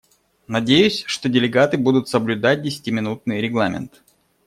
Надеюсь, что делегаты будут соблюдать десятиминутный регламент.